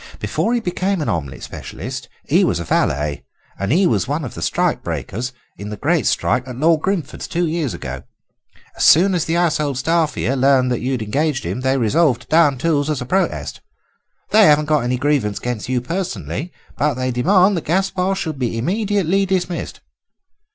Before he became an omelette specialist he was a valet, and he was one of the strike breakers in the great strike at Lord Grimford's two years ago. As soon as the household staff here learned that you had engaged him they resolved to 'down tools' as a protest. They haven't got any grievance against you personally, but they demand that Gaspare should be immediately dismissed."